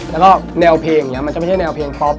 แล้วก็แนวเพลงอย่างนี้มันจะไม่ใช่แนวเพลงป๊อป